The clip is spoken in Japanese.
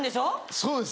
そうですよ。